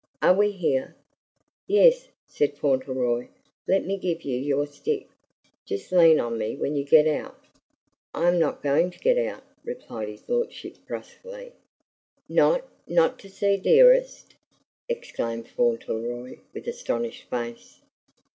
"Are we here?" "Yes," said Fauntleroy. "Let me give you your stick. Just lean on me when you get out." "I am not going to get out," replied his lordship brusquely. "Not not to see Dearest?" exclaimed Fauntleroy with astonished face.